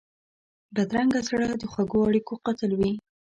بدرنګه زړه د خوږو اړیکو قاتل وي